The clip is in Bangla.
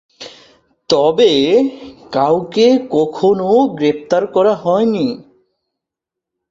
তবে, কাউকে কখনও গ্রেপ্তার করা হয়নি।